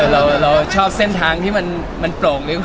เราชอบเส้นทางที่มันปลงด้วยกว่า